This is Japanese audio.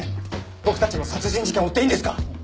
僕たちも殺人事件を追っていいんですか？